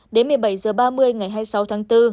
đến một mươi bảy h ba mươi ngày hai mươi sáu tháng bốn